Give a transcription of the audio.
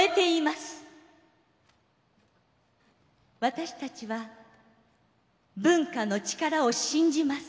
私たちは文化の力を信じます。